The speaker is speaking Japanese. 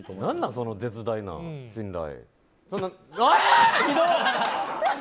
その絶大な信頼。